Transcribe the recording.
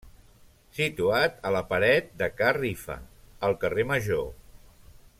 Situat a la paret de Ca Rifa, al carrer Major.